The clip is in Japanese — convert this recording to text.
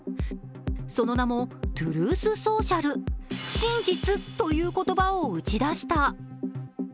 その名も、トゥルース・ソーシャル真実という言葉を打ち出した。